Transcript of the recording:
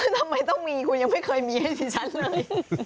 แล้วทำไมต้องมีคนยังไม่เคยมีให้หรอซิชั้นเลย